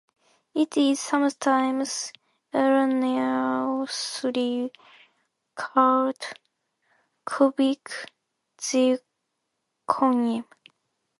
It is sometimes erroneously called "cubic zirconium".